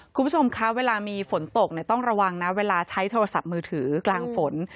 คุณผู้ชมคะเวลามีฝนตกต้องระวังนะเวลาใช้โทรศัพท์มือถือกลางฝน